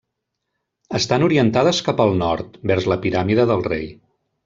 Estan orientades cap al nord, vers la piràmide del rei.